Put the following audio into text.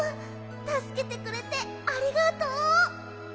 たすけてくれてありがとう！